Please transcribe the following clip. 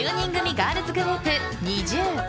ガールズグループＮｉｚｉＵ。